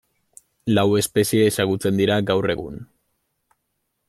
Lau espezie ezagutzen dira gaur egun.